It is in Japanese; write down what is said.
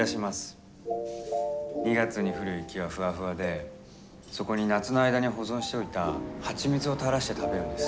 ２月に降る雪はフワフワでそこに夏の間に保存しておいたハチミツをたらして食べるんです。